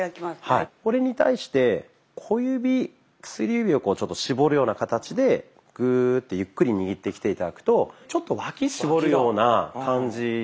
これに対して小指薬指をこうちょっと絞るような形でグーッてゆっくり握ってきて頂くとちょっと脇絞るような感じ。